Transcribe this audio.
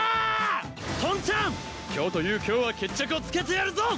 トンちゃん今日という今日は決着をつけてやるぞ！